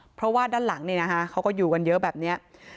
เพราะว่าด้านหลังเนี่ยนะคะเขาก็อยู่กันเยอะแบบนี้